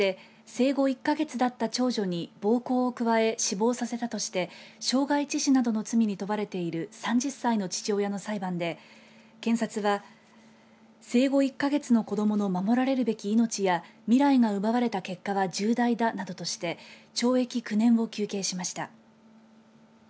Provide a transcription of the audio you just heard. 生後１か月だった長女に暴行を加え、死亡させたとして傷害致死などの罪に問われている３０歳の父親の裁判で検察は生後１か月の子どもの守られるべき命や未来が奪われた結果は重大だなどとして懲役９年を求刑しました。